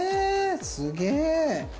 すげえ！